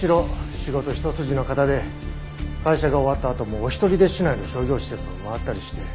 仕事ひと筋の方で会社が終わったあともお一人で市内の商業施設を回ったりして。